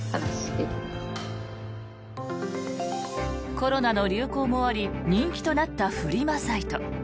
コロナの流行もあり人気となったフリマサイト。